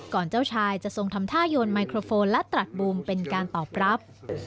เจ้าชายจะทรงทำท่าโยนไมโครโฟนและตรัสบูมเป็นการตอบรับ